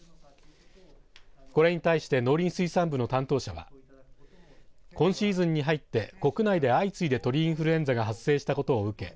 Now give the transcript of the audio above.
これに対して農林水産部の担当者は今シーズンに入って国内で相次いで鳥インフルエンザが発生したことを受け